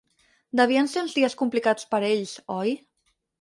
Devien ser uns dies complicats per ells, oi?